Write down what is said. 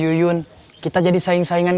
yuyun tidak usah menggoda kita lagi